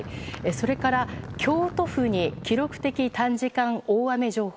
それから、京都府に記録的短時間大雨情報。